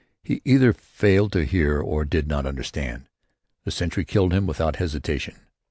He either failed to hear or did not understand. The sentry killed him without hesitation.